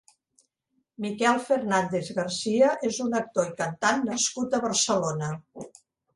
Miquel Fernández García és un actor i cantant nascut a Barcelona.